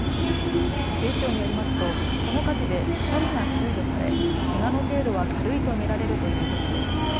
警視庁によりますとこの火事で２人が救助されけがの程度は軽いと見られるということです。